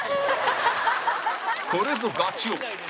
これぞガチ王！